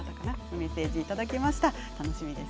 メッセージいただきました。